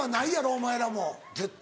お前らも絶対。